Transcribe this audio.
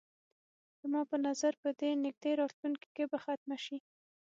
زما په نظر په دې نږدې راتلونکي کې به ختمه شي.